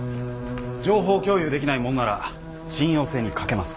情報共有できないものなら信用性に欠けます。